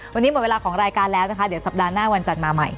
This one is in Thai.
วันนี้หมดเวลาของรายการแล้วนะคะเดี๋ยวสัปดาห์หน้าวันจันทร์มาใหม่